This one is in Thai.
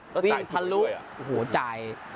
วิ่งทะลุโอ้โหจ่าย